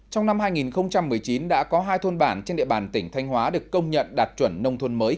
trong năm hai nghìn một mươi chín đã có hai thôn bản trên địa bàn tỉnh thanh hóa được công nhận đạt chuẩn nông thôn mới